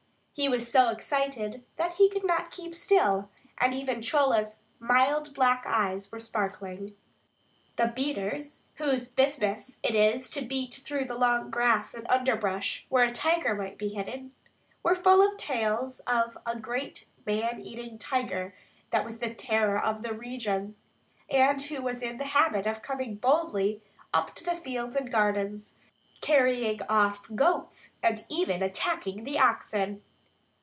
He was so excited that he could not keep still, and even Chola's mild black eyes were sparkling. The beaters, whose business it is to beat through the long grass and underbrush where a tiger might be hidden, were full of tales of a great man eating tiger that was the terror of the region, and who was in the habit of coming boldly up to the fields and gardens, carrying off goats and even attacking the oxen.